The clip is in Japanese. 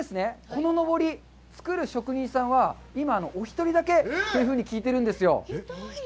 こののぼり作る職人さんは今お一人だけというふうに聞いているんですよ。